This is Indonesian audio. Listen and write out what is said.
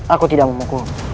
aku tidak memukul